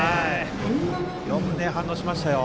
よく反応しましたよ。